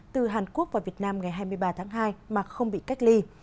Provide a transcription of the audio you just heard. từ hàn quốc vào việt nam ngày hai mươi ba tháng hai mà không bị cách ly